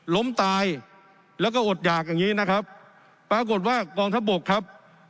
ล้มตายแล้วก็อดหยากอย่างนี้นะครับปรากฏว่ากองทัพบกครับ